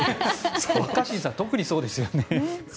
若新さん特にそうですよね。